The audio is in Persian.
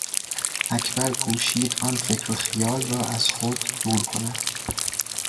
اکبر کوشید آن فکر و خیال را از خود دور کند.